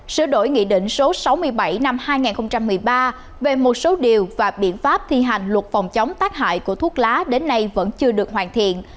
sửa đổi nghị định số sáu mươi bảy năm hai nghìn một mươi ba về một số điều và biện pháp thi hành luật phòng chống tác hại của thuốc lá đến nay vẫn chưa được hoàn thiện